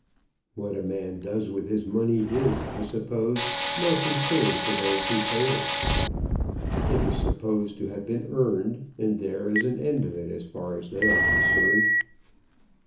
"What a man does with his money is, I suppose, no concern to those who pay it. It is supposed to have been earned, and there is an end of it as far as they are concerned."